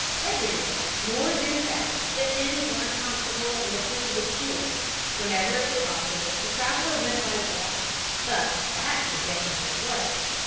Everywhere, north and south, the inns were uncomfortable and the food was poor. Whenever it was possible the traveler went by water. But that was dangerous work.